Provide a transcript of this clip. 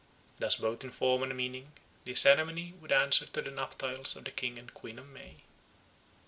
Thus both in form and in meaning the ceremony would answer to the nuptials of the King and Queen of May.